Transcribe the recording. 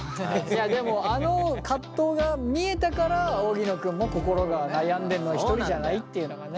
でもあの葛藤が見えたから荻野君も心が悩んでんのは１人じゃないっていうのがね。